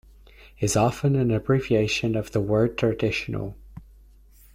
is often an abbreviation of the word "traditional".